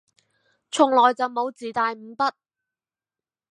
從來就冇自帶五筆